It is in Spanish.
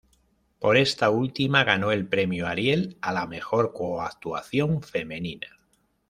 Por esta última ganó el premio Ariel a la mejor Co-actuación femenina.